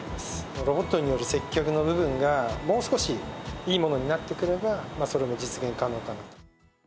ロボットによる接客の部分が、もう少しいいものになってくれば、それも実現可能かなと。